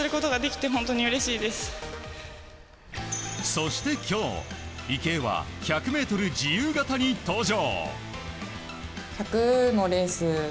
そして今日、池江は１００ｍ自由形に登場。